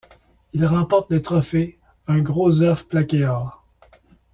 Il remporte le trophée, un gros œuf plaqué or.